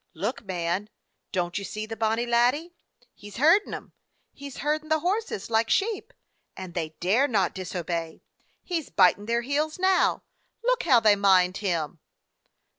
Look, man, don't you see the bonny laddie? He 's herdin' them ! He 's herdin' the horses like sheep, and they dare not disobey. He 's bitin' their heels now. Look how they mind him!"